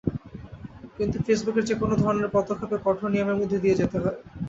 কিন্তু ফেসবুকের যেকোনো ধরনের পদক্ষেপে কঠোর নিয়মের মধ্য দিয়ে যেতে হয়।